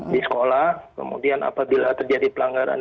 di sekolah kemudian apabila terjadi pelanggaran